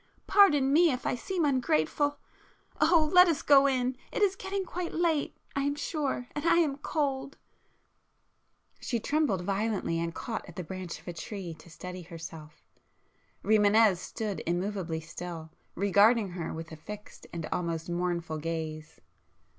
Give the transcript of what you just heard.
Pardon me if I seem ungrateful ..., oh, let us go in—it is getting quite late I am sure, and I am cold ..." She trembled violently, and caught at the branch of a tree to steady herself,—Rimânez stood immovably still, regarding her with a fixed and almost mournful gaze.